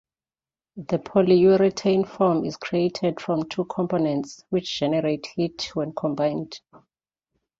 The polyurethane foam is created from two components which generate heat when combined.